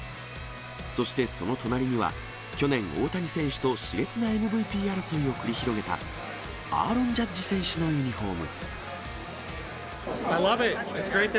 そしてその隣には、去年、大谷選手としれつなＭＶＰ争いを繰り広げた、アーロン・ジャッジ選手のユニホーム。